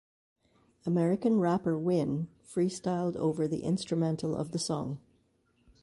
American rapper Wynne freestyled over the instrumental of the song.